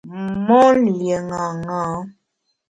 Mon lié ṅaṅâ.